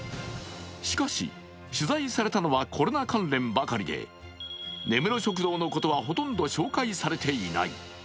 しかし取材されたのはコロナ関連ばかりで、根室食堂のことはほとんど紹介されていない。